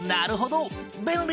便利！